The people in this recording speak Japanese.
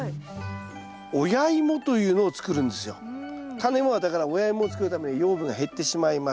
タネイモはだから親イモを作るために養分が減ってしまいます。